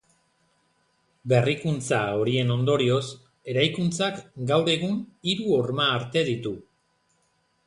Berrikuntza horien ondorioz, eraikuntzak, gaur egun, hiru horma-arte ditu.